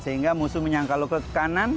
sehingga musuh menyangka lo ke kanan